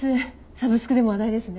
サブスクでも話題ですね。